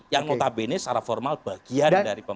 yang notabene secara formal bagian dari pemerintah